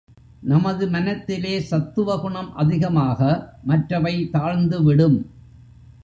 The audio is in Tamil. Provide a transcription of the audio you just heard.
நமது மனத்திலே சத்துவகுணம் அதிகமாக மற்றவை தாழ்ந்து விடும்.